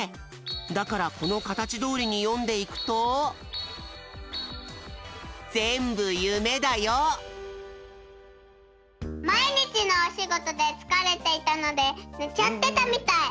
だからこのかたちどおりによんでいくと「まいにちのおしごとでつかれていたのでねちゃってたみたい。